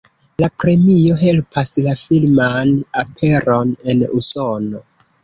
La premio helpas la filman aperon en Usono.